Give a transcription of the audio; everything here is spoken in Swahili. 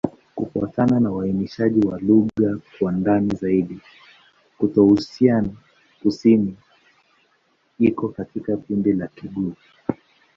Kufuatana na uainishaji wa lugha kwa ndani zaidi, Kitoussian-Kusini iko katika kundi la Kigur.